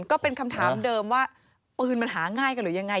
ก็เป็นคำถามเดิมว่าปืนมันหาง่ายกันหรือยังไง